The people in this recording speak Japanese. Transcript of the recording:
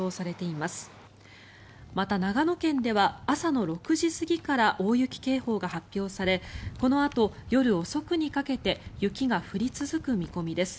また、長野県では朝の６時過ぎから大雪警報が発表されこのあと夜遅くにかけて雪が降り続く見込みです。